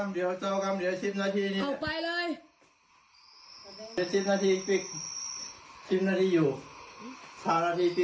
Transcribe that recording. ไปลงไปไปไปบ้านไป